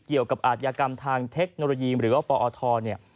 เกี่ยวกับอาชญากรรมทางเทคโนโลยีหรือว่าปอทเนี่ย